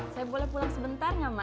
saya boleh pulang sebentar gak ma